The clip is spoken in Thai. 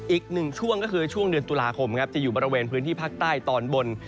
อีกหนึ่งช่วงก็คือช่วงเดือนตุลาคมครับจะอยู่บริเวณพื้นที่ภาคใต้ตอนบน